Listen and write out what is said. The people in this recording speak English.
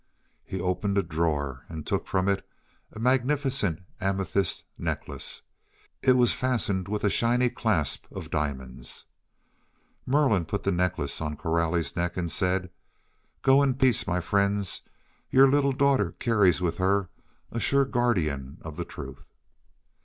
He opened a drawer and took from it a magnificent amethyst necklace. It was fastened with a shining clasp of diamonds. Merlin put the necklace on Coralie's neck and said, "Go in peace, my friends. Your little daughter carries with her a sure guardian of the truth."